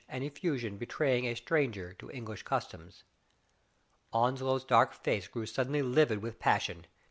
and effusion betraying a stranger to English customs. Onslow's dark face grew suddenly livid with passion.